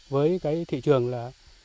với cái thị trường là